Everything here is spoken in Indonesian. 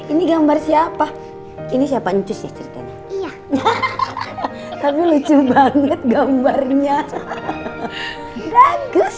ini gambar siapa ini siapa nyucus ya ceritanya iya tapi lucu banget gambarnya bagus